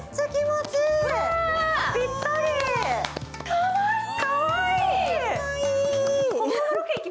かわいい。